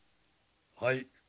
はい。